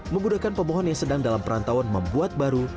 memudahkan pembohon yang sedang dalam perantauan membuat baru